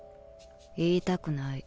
言いたくない。